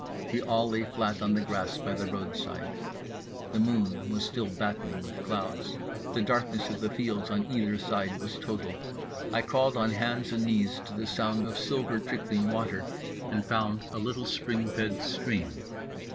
We all lay flat on the grass by the roadside. The moon was still battling with clouds. The darkness of the fields on either side was total. I crawled on hands and knees to the sound of silver trickling water and found a little spring fed stream.